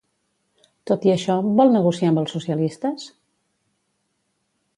Tot i això, vol negociar amb els socialistes?